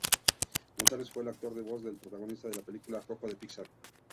Gonzalez fue el actor de voz del protagonista de la película "Coco", de Pixar.